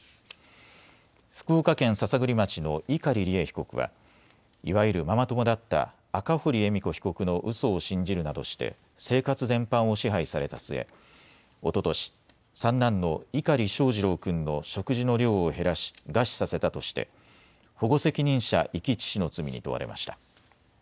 福岡県篠栗町の碇利恵被告はいわゆるママ友だった赤堀恵美子被告のうそを信じるなどして生活全般を支配された末、おととし三男の碇翔士郎君の食事の量を減らし餓死させたとして、保護責任者遺棄致死の罪に問われました。